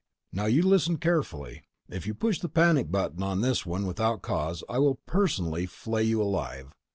Now, you listen carefully: If you push the panic button on this one without cause, I will personally flay you alive.